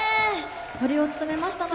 トリを務めましたのは。